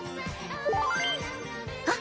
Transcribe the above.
あっ！